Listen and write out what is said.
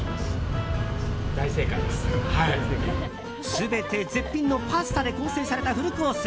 全て絶品のパスタで構成されたフルコース。